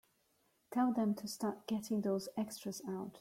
Tell them to start getting those extras out.